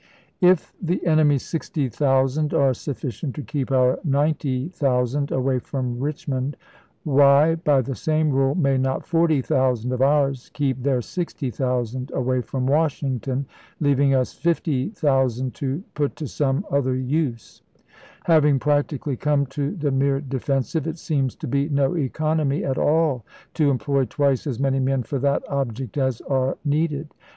If the enemy's 60,000 are sufficient to keep our 90,000 away from Richmond, why, by the same rule, may not 40,000 of ours keep their 60,000 away from Washington, leaving us 50,000 to put to some other use ? Having practically come to the mere defensive, it seems to be no economy at all to employ twice as many men for that object as are needed.